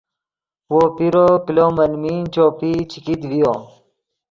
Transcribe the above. وو پیرو کلو ملمین چوپئی چے کیت ڤیو